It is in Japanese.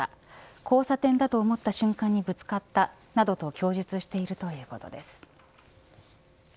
交差点だと思った瞬間にぶつかったなどと供述しているということです。